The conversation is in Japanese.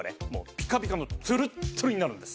ピカピカのトゥルットゥルになるんです。